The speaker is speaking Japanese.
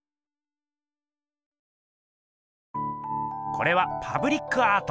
これはパブリックアート。